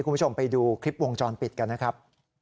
คุณผู้ชมไปดูคลิปวงจรปิดกันนะครับ